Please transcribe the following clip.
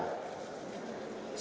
sampai di sini